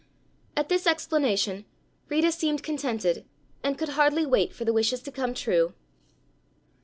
At this explanation Rita seemed contented and could hardly wait for the wishes to come true.